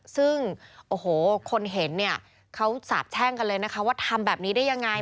ซึ่งโอ้โหคนเห็นเนี่ยเขาสาบแช่งกันเลยนะคะว่าทำแบบนี้ได้ยังไง